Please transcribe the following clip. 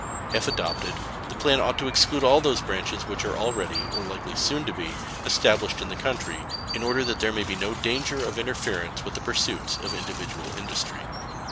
If adopted, the plan ought to exclude all those branches which are already, or likely soon to be, established in the country, in order that there may be no danger of interference with pursuits of individual industry.